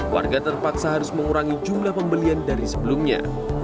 warga terpaksa harus mengurangi jumlah pembelian dari sebelumnya